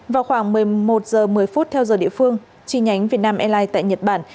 vào khoảng một mươi một h một mươi theo giờ địa phương chi nhánh vietnam airlines tại nhật bản